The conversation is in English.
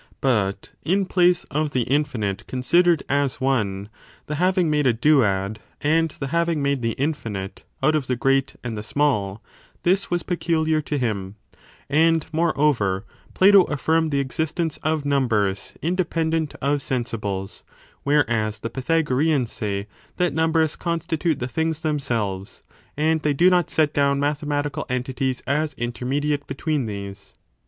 But, in place of the infinite considered as one, 4. Twofold dif the having made a duad, and the having ma^e pltSag^Tsmd the infinite, out of the great and the small, this Piato was peculiar to him: and, moreover, Platp affirmed the existence of numbers independent of sensibles; whereas the Pythagoreans say that numbers constitute the things them * selves, and they do not set down mathematical entities as intermediate between these.